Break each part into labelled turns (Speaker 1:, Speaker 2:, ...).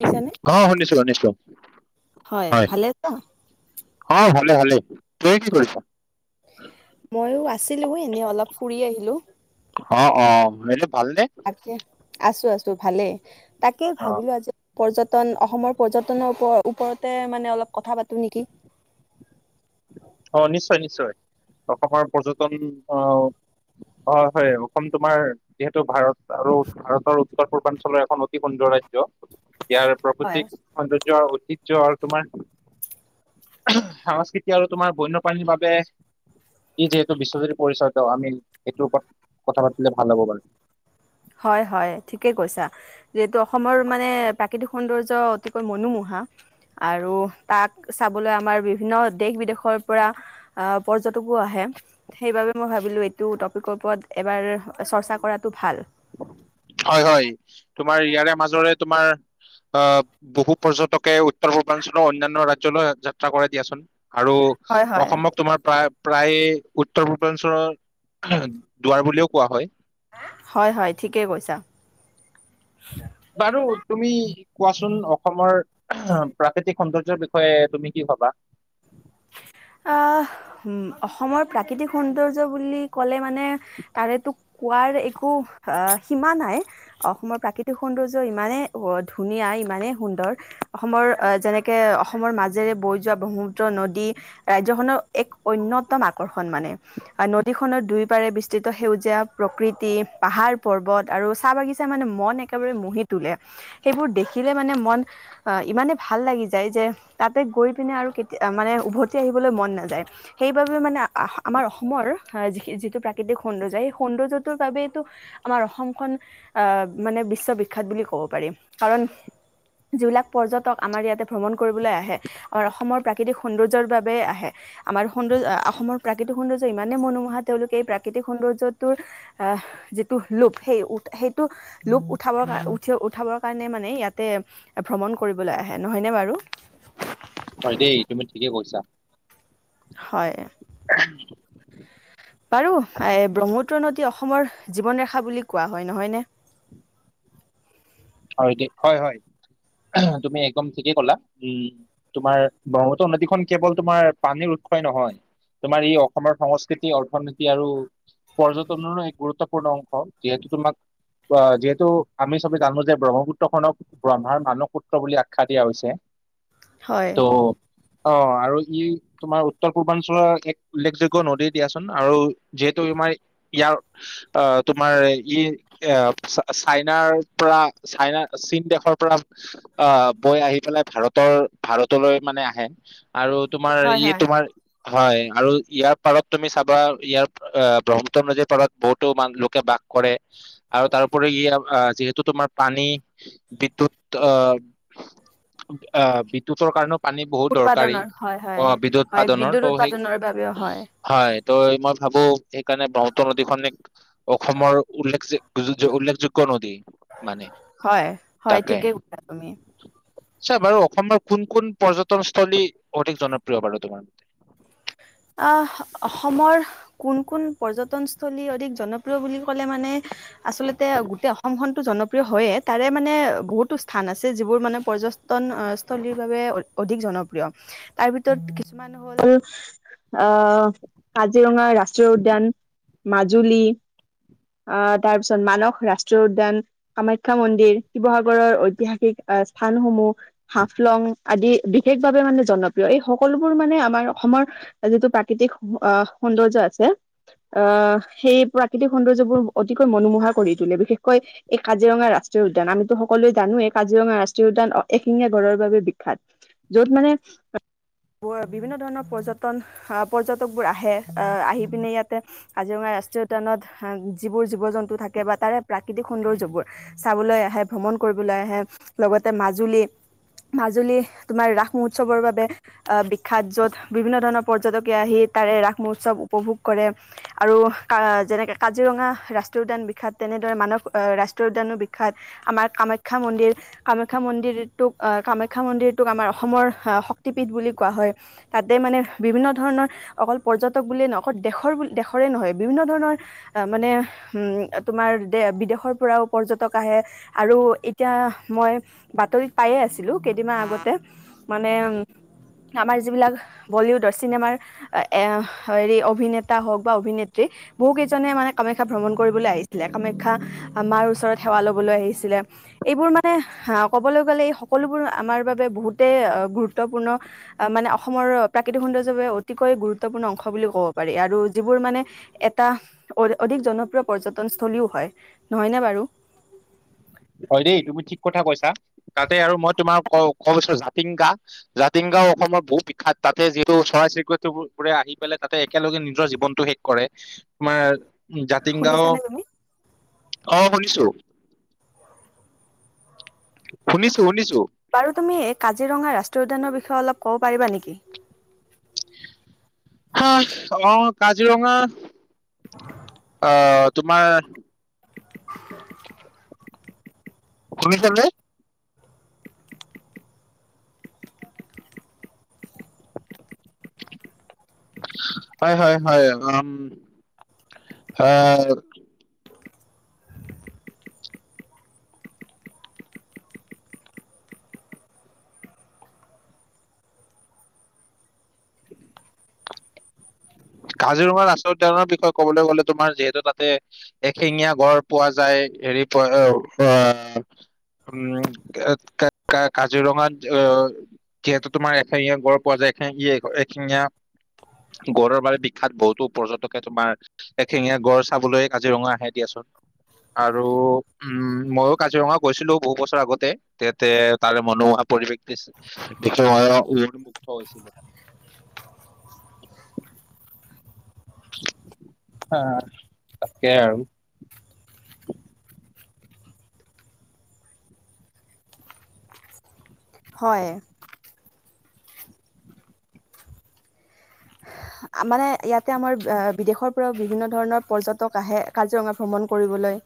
Speaker 1: শুনিছানে?
Speaker 2: অ', শুনিছো শুনিছো হয়
Speaker 1: ভালে আছা?
Speaker 2: অ', ভাল ভাল তুমি কি কৰিছা?
Speaker 1: ময়ো আছো আছিলো এনে অলপ ফুৰি আহিলো
Speaker 2: অ', - অ', ভালনে
Speaker 1: [unintelligible] আছো আছো ভালে তাকেই
Speaker 2: অ
Speaker 1: ভাবিলো আজি পৰ্যটন অসমৰ পৰ্যটনৰ ওপৰতে মানে অলপ কথা পাতো নেকি
Speaker 2: অ নিশ্চয় নিশ্চয় অসমৰ পৰ্যটন আহ, হয় হয় অসম তোমাৰ যিহেতু ভাৰত আৰু ভাৰতৰ উত্তৰ পূৰ্বাঞ্চলৰ এখন অতি সুন্দৰ ৰাজ্য। ইয়াৰ
Speaker 1: হয়
Speaker 2: প্ৰকৃতিক সৌন্দৰ্য অতি কিয় আৰু তোমাৰ, সাংস্কৃতি আৰু তোমাৰ বন্যপ্ৰাণীৰ বাবে ই যিহেতু বিশ্বজ্যুতি পৰিচয়িত আমি সেইটোৰ কথা পাতিলে ভাল হ'ব আৰু
Speaker 1: হয় হয় ঠিকে কৈছা যিহেতু অসমৰ মানে প্ৰাকৃতিক সৌন্দৰ্য অতিকৈ মনোমোহা আৰু তাক চাবলৈ আমাৰ বিভিন্ন দেশ বিদেশৰ পৰা পৰ্যটকো আহে সেইবাবে মই ভাবিলোঁ এইটো টপিকৰ ওপৰত এবাৰ চৰ্চা কৰাটো ভাল।
Speaker 2: হয় হয় তোমাৰ ইয়াৰে মাজৰে তোমাৰ অ বহু পৰ্যটকে উত্তৰ পূৰ্বাঞ্চলৰ অন্যান্য ৰাজ্যলৈ যাত্ৰা কৰে দিয়াচোন। আৰু
Speaker 1: হয় হয়
Speaker 2: অসমত তোমাৰ প্ৰায় প্ৰায়ে উত্তৰ পূৰ্বাঞ্চলৰ দুৱাৰ বুলিও কোৱা হয়
Speaker 1: হয় হয় ঠিকেই কৈছা
Speaker 2: বাৰু তুমি কোৱাচোন অসমৰ প্ৰাকৃতিক সৌন্দৰ্যৰ বিষয়ে তুমি কি ভবা
Speaker 1: আহ উ অসমৰ প্ৰাকৃতিক সৌন্দৰ্য বুলি ক'লে মানে তাৰেতো কোৱাৰ একো আহ সীমা নাই অসমৰ প্ৰাকৃতিক সৌন্দৰ্য ইমানেই ধুনীয়া ইমানেই সুন্দৰ অসমৰ যেনেকে অসমৰ মাজেৰে বৈ যোৱা ব্ৰহ্মপুত্ৰ নদী ৰাজ্যখনৰ এক অন্যতম আকৰ্ষণ মানে নদীখনৰ দুই পাৰে বিস্তৃত সেউজীয়া প্ৰকৃতি পাহাৰ পৰ্বত আৰু চাহ বাগিচা মানে মন একেবাৰে মুহি তোলে সেইবোৰ দেখিলে মানে মন ইমানেই ভাল লাগি যায় যে তাতে গৈ পিনে আৰু কেতিয়া মানে উভ তি আহিবলৈ মন নাযায় সেইবাবে মানে আহ আমাৰ অসমৰ আহ যি যিটো প্ৰাকৃতিক সৌন্দৰ্য সেই সৌন্দৰ্যটোৰ বাবইতো আমাৰ অসমখন আহ মানে বিশ্ববিখ্যাত বুলি ক'ব পাৰি কাৰণ যিবিলাক পৰ্যটক আমাৰ ইয়াতে ভ্ৰমণ কৰিবলৈ আহে আমাৰ অসমৰ প্ৰাকৃতিক সৌন্দৰ্য সৰ্যৰ বাবে আহে আমাৰ সৌন্দৰ্য আহ অসমৰ প্ৰাকৃতিক সৌন্দৰ্য ইমানেই মনোমোহা তেওঁলোকে এই প্ৰাকৃতিক সৌন্দৰ্যটোৰ আহ যিটো লোপ সেই সেইটো লোপ উঠাবৰ কাৰ উঠি উঠাবৰ কাৰণে মানে ইয়াতে ভ্ৰমণ কৰিবলৈ আহে নহয়নে বাৰু
Speaker 2: হয় দেই তুমি ঠিকেই কৈছা
Speaker 1: হয়
Speaker 2: উ
Speaker 1: বাৰু এ ব্ৰহ্মুত্ৰ নদী অসমৰ জীৱন ৰেখা বুলি কোৱা হয় নহয়নে
Speaker 2: হয় দ হয় হয় তুমি একদম ঠিকেই কলা উম তোমাৰ ব্ৰহ্মপুত্ৰ নদীখন কেৱল তোমাৰ পানীৰ উৎসই নহয় তোমাৰ ই অসমৰ সংস্কৃতি অৰ্থনীতি আৰু পৰ্যটনৰো এক গুৰুত্বপূৰ্ণ অংশ যিহেতু তোমাক যিহেতু আমি চবে জানো যে ব্ৰহ্মপুত্ৰখনক ব্ৰহ্মাৰ মানসপুত্ৰ বুলি আখ্যা দিয়া হৈছে
Speaker 1: হয়।
Speaker 2: ত অ আৰু ই তোমাৰ উত্তৰ পূৰ্বাঞ্চলৰ এক উল্লেখযোগ্য নদী দিয়াচোন আৰু যিহেতু তোমাৰ ইয়াৰ আহ তোমাৰ ই এ চাইনাৰ পৰা চাইনা চীন দেশৰ পৰা আহ বৈ আহি পেলাই ভাৰতৰ ভাৰতলৈ মানে আহে আৰু তোমাৰ
Speaker 1: হয়
Speaker 2: ই
Speaker 1: হয়
Speaker 2: তোমাৰ হয় আৰু ইয়াৰ পাৰত তুমি চাবা ইয়াৰ ব্ৰহ্মপুত্ৰ নদীৰ পাৰত বহুতোন লোকে বাস কৰে আৰু তাৰোপৰি ইয় যিহেতু তোমাৰ পানী বিদ্যুৎ আহ আহ বিদ্যুতৰ কাৰণেও পানী বহুত দৰকাৰী
Speaker 1: উৎপাদনৰ হয় হয়
Speaker 2: অ বিদ্যুৎ
Speaker 1: হয়
Speaker 2: উৎপাদনৰ
Speaker 1: বিদ্যুৎ
Speaker 2: ত' সেই
Speaker 1: উৎপাদনৰ বাবেও হয়।
Speaker 2: হয় ত মই ভাবো সেইকাৰণে ব্ৰহ্মপুত্ৰ নদীখন এক অসমৰ উল্লেখ উল্লেখযোগ্য নদী
Speaker 1: হয় হয় ঠিকেই কৈছা তুমি
Speaker 2: চ্ছা বাৰু অসমৰ কোন কোন পৰ্যটনস্থলী অধিক জনপ্ৰিয় বাৰু তোমাৰ মতে
Speaker 1: আহ অসমৰ কোন কোন পৰ্যটনস্থলী অধিক জনপ্ৰিয় বুলি ক'লে মানে আচলতে গোটেই অসমখন টো জনপ্ৰিয় হযয়ে তাৰে মানে বহুতো স্থান আছে যিবোৰ মানে পৰ্যটন স্থলীৰ বাবে অধিক জনপ্ৰিয় তাৰ ভিতৰত কিছুমান হ'ল আহ কাজিৰঙা ৰাষ্ট্ৰীয় উদ্যান, মাজুলী আহ তাৰপিছত মানস ৰাষ্ট্ৰীয় উদ্যান, কামাখ্যা মন্দিৰ, শিৱসাগৰৰ ঐতিহাসিক আহ স্থানসমূহ হাফলং আদি বিশেষভাৱে মানে জনপ্ৰিয় এই সকলোবোৰ মানে আমাৰ অসমৰ যিটো প্ৰাকৃতিক সৌন্দৰ্য্য আছে আহ সেই প্ৰাকৃতিক সৌন্দৰ্যবোৰ অতিকৈ মনোহা কৰি তুলে বিশেষকৈ এই কাজিৰঙা ৰাষ্ট্ৰীয় উদ্যান আমিতো সকলোৱে জানো এই কাজিৰঙা ৰাষ্ট্ৰীয় উদ্যান এশিঙীয়া গড়ৰ বাবে বিখ্যাত যত মানে বিভিন্ন ধৰণৰ পৰ্যটন আহ পৰ্যটকবোৰ আহে আহ আহি পিনে ইয়াতে কাজিৰঙা ৰাষ্ট্ৰীয় উদ্যানত যিবোৰ জীৱ জন্তু থাকে বা তাৰে প্ৰাকৃতিক সৌন্দৰ্যবোৰ চাবলৈ আহে ভ্ৰমণ কৰিবলৈ আহে লগতে মাজুলী মাজুলী তোমাৰ ৰাস মহোৎসৱৰ বাবে বিখ্যাত য'ত বিভিন্ন ধৰণৰ পৰ্যটকে আহি তাৰে ৰাস মহোৎসৱ উপভোগ কৰে আৰু যেনেকে কাজিৰঙা ৰাষ্ট্ৰীয় উদ্যান বিখ্যাত তেনেদৰে মানস ৰাষ্ট্ৰীয় উদ্যানো বিখ্যাত আমাৰ কামাখ্যা মন্দিৰ কামাখ্যা মন্দিৰটোক কামাখ্যা মন্দিৰটোক আমাৰ অসমৰ শক্তিপীঠ বুলি কোৱা হয় তাতে মানে বিভিন্ন ধৰণৰ অকল পৰ্যটক বুলিয়েই নহ অকল দেশৰ দেশৰে নহয় বিভিন্ন ধৰণৰ মানে উম তোমাৰ বিদেশৰ পৰাও পৰ্যটক আহে আৰু এতিয়া মই বাতৰিত পায়ে আছিলো কেইদিনমান আগতে মানে আমাৰ যিবিলাক বলিউডৰ চিনেমাৰ এ হেৰি অভিনেতা হওক বা অভিনেত্ৰী বহু কেইজ নে মানে কামাখ্যা ভ্ৰমণ কৰিবলৈ আহিছিলে কামাখ্যা মাৰ ওচৰত সেৱা লবলৈ আহিছিলে এইবোৰ মানে আহ কবলৈ গ'লে এই সকলোবোৰ আমাৰ বাবে বহুতেই গুৰুত্বপূৰ্ণ মানে অসমৰ প্ৰাকৃতিক সৌন্দৰ্য অতিকৈ গুৰুত্বপূৰ্ণ অংশ বুলি ক'ব পাৰি আৰু যিবোৰ মানে এটা অ অধিক জনপ্ৰিয় পৰ্যটনস্থলীও হয় নহয়নে বাৰু
Speaker 2: হয় দেই তুমি ঠিক কথা কৈছা তাতে আৰু মই তোমাৰ ক কব বিচাৰো জাতিংগা জাতিংগাও অসমৰ বহুত বিখ্যাত তাতে যিহেতু চৰাই চিৰিকটিবোৰে আহি পেলাই তাতে একেলগে নিজৰ জীৱনটো শেষ কৰে তোমাৰ জাতিংগাঁও
Speaker 1: শুনিছানে তুমি
Speaker 2: অ শুনিছো শুনিছো -শুনিছো
Speaker 1: বাৰু তুমি এই কাজিৰঙা ৰাষ্ট্ৰীয় উদ্যানৰ বিষয়ে অলপ ক'ব পাৰিবা নেকি?
Speaker 2: অহ, অ, কাজিৰঙা অ, - তোমাৰ
Speaker 1: [inaudible]
Speaker 2: শুনিছানে? হয়- হয়- হয়, অহ, হ, কাজিৰঙা ৰাষ্ট্ৰ উদ্যানৰ বিষয়ে ক'বলৈ গলে তোমাৰ যিহেতু তাতে এশিঙীয়া গড় পোৱা যায়, হেৰি পোৱা আহ, উম', কাজিৰঙাত আহ, যিহেতু তোমাৰ এশিঙীয়া গড় পোৱা যায় এশিঙীয়া গঁড়ৰ, বিখ্যাত বহুতো পৰ্যটকে তোমাৰ এশেঙীয়া গড় চাবলৈ কাজিৰঙা আহে দিয়াচোন আৰু উম, ময়ো কাজিৰঙা গৈছিলো বহুত বছৰ আগতে তেতে তাৰ মনোমহা পৰিৱেশ টো দেখি মইও মুগ্ধ হৈছিলো। আঃ তাকে আৰু-
Speaker 1: হয়। মানে ইয়াতে আমাৰ বিদেশৰ পৰাও বিভিন্ন ধৰণৰ পৰ্যটক আহে কাজিৰঙা ভ্ৰমণ কৰিবলৈ,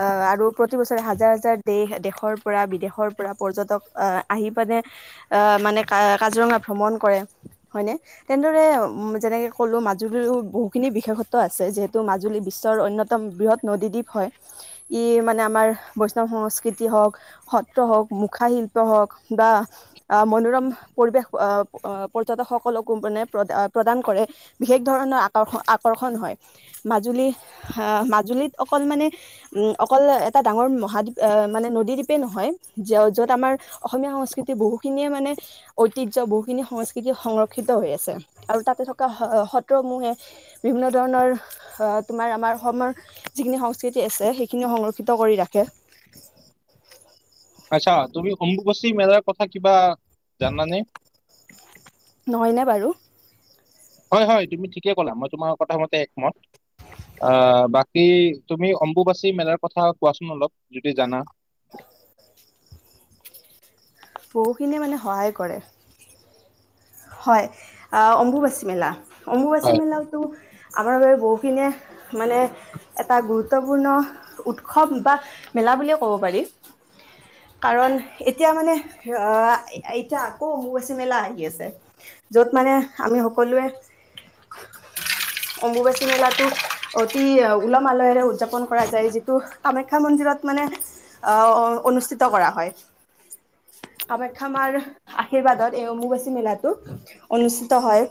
Speaker 1: অ, আৰু প্ৰতিবছৰে হাজাৰ- হাজাৰ, দেশ, দেশৰ পৰা বিদেশৰ পৰা পৰ্যটক আহি পিনে মানে কাজিৰঙা ভ্ৰমণ কৰে হয়নে তেনেদৰে, যেনেকৈ ক'লোঁ মাজুলীৰো বহুখিনি বিশেষত্ব আছে যিহেতু মাজুলী বিশ্বৰ অন্যতম বৃহৎ নদীদ্বীপ হয়, ই, মানে আমাৰ বৈষ্ণৱ সংস্কৃতি হওক, সত্ৰ হওক, মুখাশিল্প হওক বা মনোৰম পৰিৱেশ পৰ্যটকসকলকো মানে প্ৰ- প্ৰদান, কৰে বিশেষ ধৰণৰ আক-আকৰ্ষণ হয়। মাজুলী আহ, মাজুলীত অকল মানে উম, অকল এটা ডাঙৰ মহাদ্বীপ মানে নদীদ্বীপে নহয়, য'ত আমাৰ অসমীয়া সংস্কৃতি বহুখিনিয়ে মানে ঐতিহ্য বহুখিনি সংস্কৃতি সংৰক্ষিত হৈ আছে আৰু তাতে সত্ৰসমূহে বিভিন্ন ধৰণৰ তোমাৰ আমাৰ অসমৰ যিখিনি সংস্কৃতি আছে, সেইখিনি সংৰক্ষিত কৰি ৰাখে।
Speaker 2: আচ্ছা তুমি অম্বুবচি মেলাৰ কথা কিবা জানা নে?
Speaker 1: নহয়নে বাৰু?
Speaker 2: হয় -হয় তুমি ঠিকে ক'লা মই তোমাৰ কথা মতে একমত। আহ, বাকী তুমি অম্বুবাচী মেলাৰ কথা কোৱাচোন অলপ যদি জানা?
Speaker 1: বহুখিনিয়ে মানে সহায় কৰে। হয়, অম্বুবাচিমেলা, অম্ববুচি
Speaker 2: হয়
Speaker 1: মেলাতো, আমাৰ বাবে বহুখিনিয়ে মানে এটা গুৰুত্বপূৰ্ণ উৎসৱ বা মেলা বুলিয়ে ক'ব পাৰি। কাৰণ এতিয়া মানে, অত, এটা, - আকৌ আম্ববুচি মেলা আহি আছে। -যত মানে আমি সকলোৱে অম্বুবাচী মেলাটো অতি উলহ - মালহেৰে উদযাপন কৰা যায়। যিটো কামাখ্যা মন্দিৰত মানে অহ, অনুষ্ঠিত কৰা হয় কামাখ্যা মাৰ আশীৰ্বাদত এই অম্বুবাচী মেলা, টো অনুষ্ঠিত হয়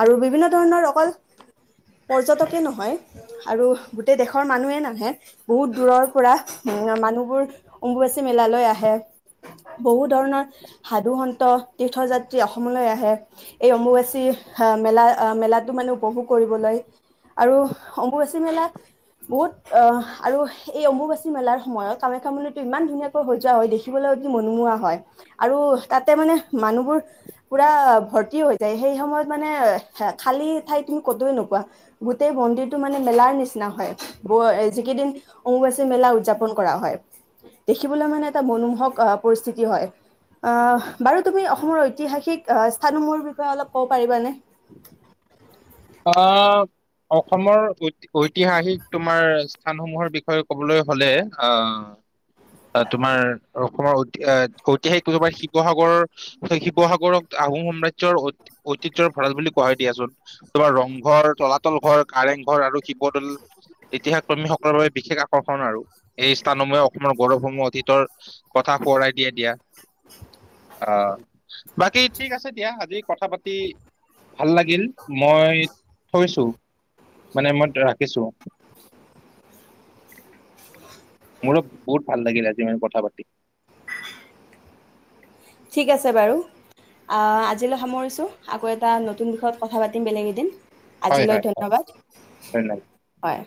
Speaker 1: আৰু বিভিন্ন ধৰণৰ অকল পৰ্যটকে নহয় আৰু গোটেই দেশৰ মানুহেই নাহে বহুত দূৰৰ পৰা উম, মানুহবোৰ অম্বুবাচী মেলালৈ আহে বহুত ধৰণৰ সাধুসন্ত তীৰ্থযাত, অসমলৈ আহে এই অম্বুবাচী আহ, মেলা আহ, মেলাটো মানে উপভোগ কৰিবলৈ আৰু অম্বুবাচী মেলা বহুত আহ, আৰু এই অম্বুবাচী মেলাৰ সময়ত কামাখ্যামন্দিৰটো ইমান ধুনীয়াকৈ হৈ যোৱা হয় দেখিবলৈ কি মনোমোহা হয়। আৰু তাতে মানে মানুহবোৰ, পুৰা ভৰ্তি হৈ যায় সেই সময়ত মানে খালী ঠাই তুমি কতো নোপোৱা গোটেই মন্দিৰটো মানে মেলাৰ নিচিনা হয় ।যিকেইদিন অম্ববাচী মেলা উদযাপন কৰা হয়, দেখিবলৈ মানে এটা মনোমোহক আহ, পৰিস্থিতি হয় ।আহ, বাৰু তুমি অসমৰ, ঐতিহাসিক স্থান সমূহৰ বিষয়ে অলপ ক'ব পাৰিবানে?
Speaker 2: আহ, অসমৰ ঐ, ঐতিহাসিক তোমাৰ, স্থানসমূহৰ বিষয়ে ক'বলৈ হলে আহ, তোমাৰ, - অসমৰ ঐতিহাসিক বুলি শিৱসাগৰ- শিৱসাগৰক আহোম সাম্ৰাজ্ৰৰ ঐতিহ্যৰ ভৰাল বুলি কোৱা হয় দিয়াচোন। তোমাৰ ৰংঘৰ, তলাতল ঘৰ, কাৰেং, ঘৰ আৰু শিৱদৌল ইতিহাস কৰ্মীসকলৰ বাবে, বিশেষ আকৰ্ষণ আৰু, সেই স্থানসমূহে অসমৰ গৌৰৱসমূহ অতীতৰ -কথা সোঁৱৰাই দিয়াই দিয়া।
Speaker 1: [unintelligible]
Speaker 2: অহ, বাকী ঠিক আছে দিয়া আজি কথা- পাতি ভাল লাগিল। মই থৈছোঁ, মানে মই ৰাখিছোঁ। মোৰো বহুত ভাল লাগিল আজি মানে কথা পাতি।
Speaker 1: ঠিক আছে বাৰু আজিলৈ সামৰিছোঁ ।আকৌ এটা নতুন বিষয়ত কথা পাতিম বেলেগ এদিন,
Speaker 2: হয়
Speaker 1: আজিলৈ
Speaker 2: হয় হয়
Speaker 1: ধন্যবাদ,
Speaker 2: ধন্যবাদ
Speaker 1: হয়।